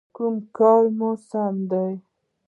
_کوم کار مو سم دی؟